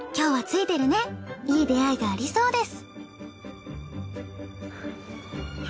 いい出会いがありそうです。